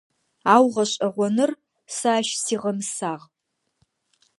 Ау, гъэшӏэгъоныр, сэ ащ сигъэмысагъ.